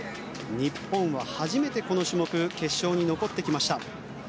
日本は初めてこの種目決勝に残ってきました。